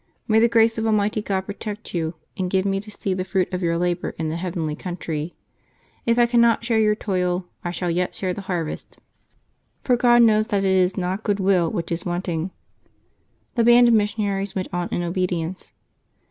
May the grace of Almighty God protect you, and give me to see the fruit of your labor in the heavenly country ! If I cannot share your toil, I shall yet share the harvest, for God knows y< 194 LIVES OF TEE SAINTS [May 27 that it is not good will which is wanting." The band of missionaries went on in obedience.